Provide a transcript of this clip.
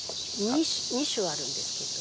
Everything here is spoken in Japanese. ２首あるんですけど２句。